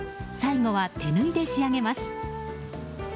最後は手縫いで仕上げます。